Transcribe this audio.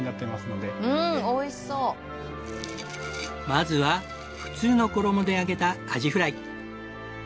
まずは普通の衣で揚げたアジフライ。